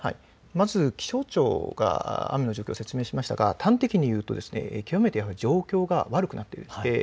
まず気象庁が雨の状況を説明しましたが端的に言うと極めて状況が悪くなっている。